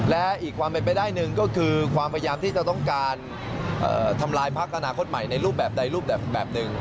และอีกความเป็นไปได้หนึ่งก็คือความพยายามที่จะต้องการทำลายพักอนาคตใหม่ในรูปแบบใดรูปแบบหนึ่ง